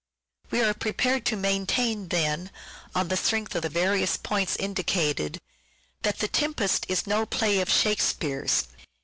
We are prepared to maintain, then, on the strength Not Shako of the various points indicated, that " The Tempest " s*™™'s is no play of " Shakespeare's."